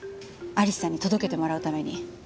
アリスちゃんに届けてもらうために。